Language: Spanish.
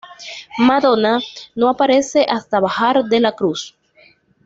Madonna no aparece hasta bajar de la cruz.